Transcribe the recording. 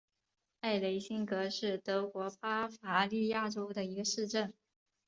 埃雷辛格是德国巴伐利亚州的一个市镇。